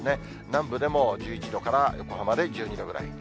南部でも１１度から、横浜で１２度ぐらい。